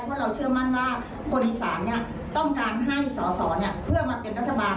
เพราะเราเชื่อมั่นว่าคนอีสานต้องการให้สอสอเพื่อมาเป็นรัฐบาล